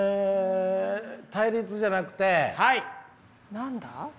何だ？